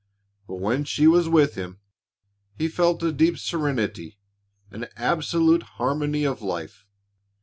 But when she was with him, he felt a deep serenity, an absolute harmony of life.